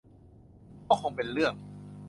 ก็คงเป็นเรื่อง